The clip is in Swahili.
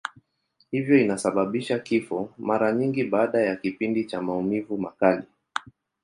Hivyo inasababisha kifo, mara nyingi baada ya kipindi cha maumivu makali.